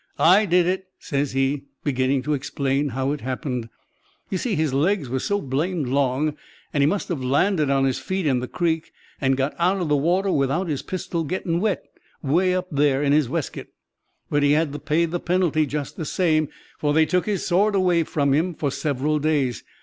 'I did it,' says he, beginning to explain how it happened. "You see, his legs was so blamed long, and he must have landed on his feet, in the creek, and got out of the water without his pistol getting wet, 'way up there in his weskit! "But he had to pay the penalty just the same, for they took his sword away from him for several days.